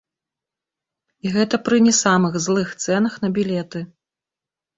І гэта пры не самых злых цэнах на білеты.